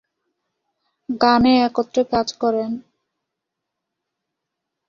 গানে একত্রে কাজ করেন।